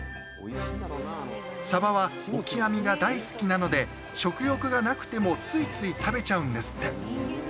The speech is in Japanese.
サバはオキアミが大好きなので食欲がなくてもついつい食べちゃうんですって。